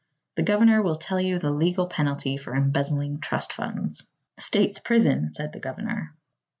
The governor will tell you the legal penalty for embezzling trust funds." "State's prison," said the governor.